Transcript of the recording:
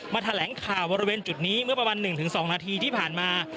แถลงข่าวบริเวณจุดนี้เมื่อประมาณ๑๒นาทีที่ผ่านมา